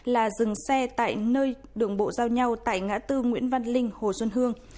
là dừng xe tại nơi đường bộ giao nhau tại ngã tư nguyễn văn linh hồ xuân hương